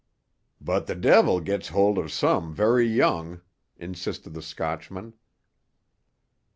"But the de'il gets hold of some very young," insisted the Scotchman.